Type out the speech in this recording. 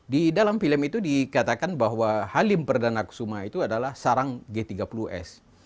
di dalam film itu dikatakan bahwa halim perdana kusuma itu adalah sarang g tiga puluh s